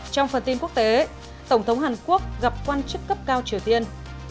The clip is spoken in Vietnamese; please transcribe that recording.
trong phần tin quốc tế tổng thống hàn quốc gặp quan chức cấp cao triều tiên